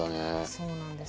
そうなんです。